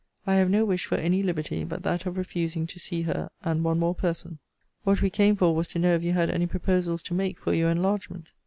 I have no wish for any liberty, but that of refusing to see her, and one more person. What we came for, was to know if you had any proposals to make for your enlargement.